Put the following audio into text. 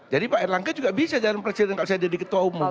jadi pak erlangga juga bisa jadi presiden kalau saya jadi ketua umum